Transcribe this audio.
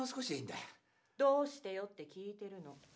・どうしてよって聞いてるの。